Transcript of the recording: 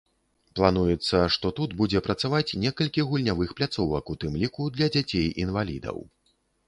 Плануецца, што тут будзе працаваць некалькі гульнявых пляцовак, у тым ліку для дзяцей-інвалідаў.